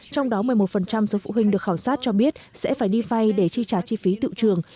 trong đó một mươi một số phụ huynh được khảo sát cho biết sẽ phải đi vay để chi trả chi phí tự trường